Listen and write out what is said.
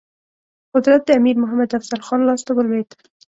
قدرت د امیر محمد افضل خان لاسته ولوېد.